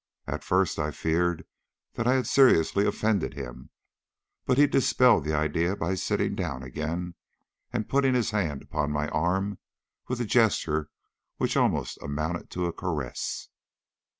At first I feared that I had seriously offended him, but he dispelled the idea by sitting down again, and putting his hand upon my arm with a gesture which almost amounted to a caress.